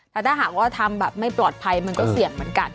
แต่ถ้าหากว่าทำแบบไม่ปลอดภัยมันก็เสี่ยงเหมือนกัน